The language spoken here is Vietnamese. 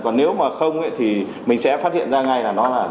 còn nếu mà không thì mình sẽ phát hiện ra ngay là nó là